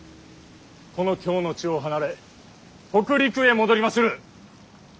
この京の地を離れ北陸へ戻りまする。